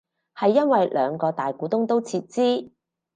係因為兩個大股東都撤資